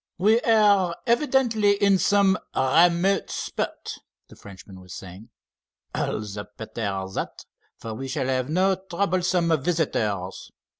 "We are evidently in some remote spot," the Frenchman was saying. "All the better that, for we shall have no troublesome visitors.